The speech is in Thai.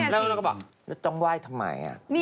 แล้วก็บอกต้องไหว้ทำไม